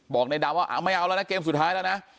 ในดำว่าเอาไม่เอาแล้วนะเกมสุดท้ายแล้วนะ